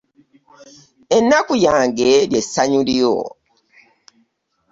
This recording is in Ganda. Ennaku yange ly'essanyu lyo.